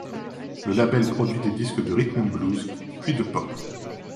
Le label produit des disques de rhythm and blues, puis de pop.